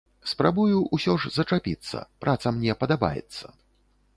Спрабую, усё ж, зачапіцца, праца мне падабаецца.